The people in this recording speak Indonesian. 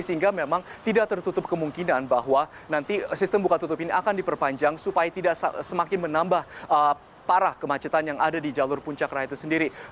sehingga memang tidak tertutup kemungkinan bahwa nanti sistem buka tutup ini akan diperpanjang supaya tidak semakin menambah parah kemacetan yang ada di jalur puncak raya itu sendiri